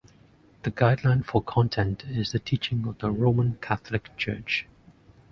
The guideline for content is the teaching of the Roman Catholic Church.